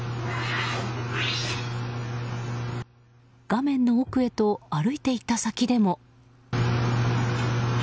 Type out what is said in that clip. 画面の奥へと歩いていった先でも。